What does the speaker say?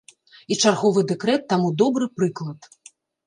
І чарговы дэкрэт таму добры прыклад.